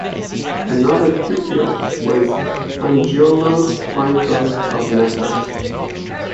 Another pupil was Angiolo Franco of Naples.